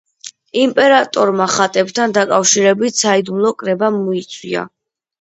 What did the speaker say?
იმპერატორმა ხატებთან დაკავშირებით საიდუმლო კრება მოიწვია.